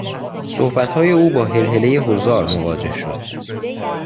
صحبت او با هلهلهی حضار مواجه شد.